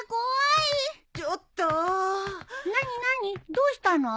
どうしたの？